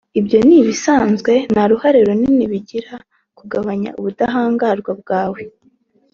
ibyo ni ibisanzwe nta ruhare runini bigira mu kugabanya ubudahangarwa bwawe